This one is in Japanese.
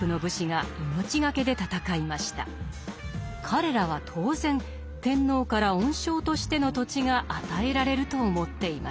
彼らは当然天皇から恩賞としての土地が与えられると思っていました。